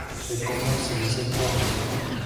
Se come semiseco y seco.